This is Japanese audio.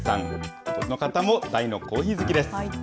この方も大のコーヒー好きです。